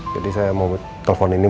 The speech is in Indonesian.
jadi saya mau telfon ini